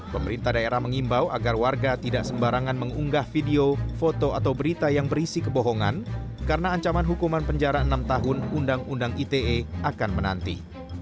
pemerintah daerah mengimbau agar warga tidak sembarangan mengunggah video foto atau berita yang berisi kebohongan karena ancaman hukuman penjara enam tahun undang undang ite akan menanti